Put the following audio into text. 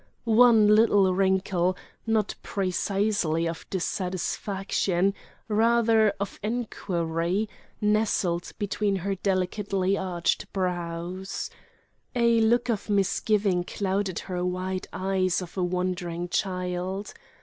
One little wrinkle, not precisely of dissatisfaction, rather of enquiry, nestled between her delicately arched brows. A look of misgiving clouded her wide eyes of a wondering child.